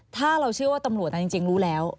ถ้าเราเชื่อว่าตำรวจจริงรู้แล้ว